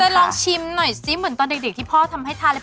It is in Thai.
ลองชิมหน่อยซิเหมือนตอนเด็กที่พ่อทำให้ทานอะไร